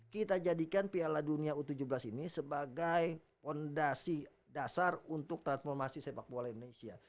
kita jadikan piala dunia u tujuh belas ini sebagai fondasi dasar untuk transformasi sepak bola indonesia